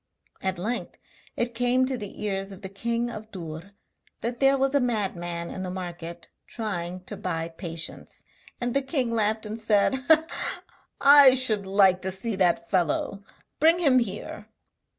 At length it came to the ears of the king of Dûr that there was a madman in the market trying to buy patience. And the king laughed and said: 'I should like to see that fellow, bring him here!'